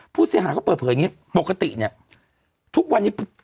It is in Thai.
ผู้เสียหายเขาเปิดเผยอย่างนี้ปกติเนี่ยทุกวันนี้